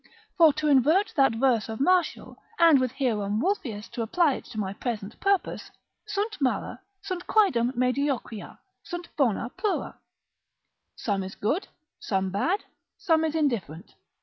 For to invert that verse of Martial, and with Hierom Wolfius to apply it to my present purpose, sunt mala, sunt quaedam mediocria, sunt bona plura; some is good, some bad, some is indifferent.